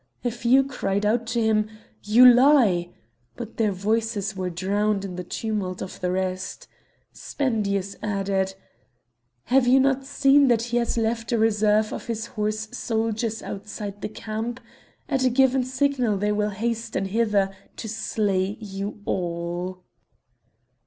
A few cried out to him, "You lie!" but their voices were drowned in the tumult of the rest; Spendius added: "Have you not seen that he has left a reserve of his horse soldiers outside the camp? At a given signal they will hasten hither to slay you all."